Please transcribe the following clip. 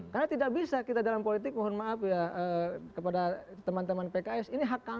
karena tidak bisa kita dalam politik mohon maaf ya kepada teman teman pks ini hak kami